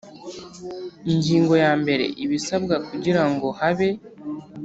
Ingingo ya mbere Ibisabwa kugira ngo habe